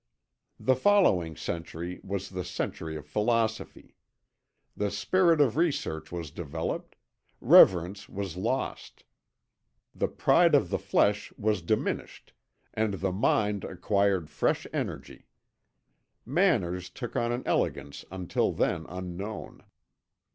"The following century was the century of philosophy. The spirit of research was developed, reverence was lost; the pride of the flesh was diminished and the mind acquired fresh energy. Manners took on an elegance until then unknown.